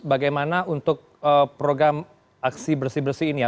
bagaimana untuk program aksi bersih bersih ini ya